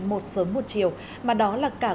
một sớm một chiều mà đó là cả quá trình lộn